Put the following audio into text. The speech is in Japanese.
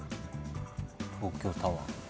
東京タワー。